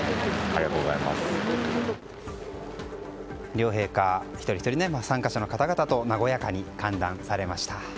両陛下、一人ひとり参加者の方々と和やかに歓談されました。